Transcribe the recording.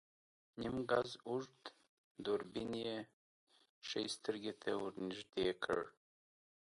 نيم ګز اوږد دوربين يې ښی سترګې ته ور نږدې کړ.